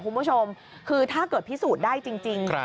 คุณผู้ชมคือถ้าเกิดพิสูจน์ได้จริง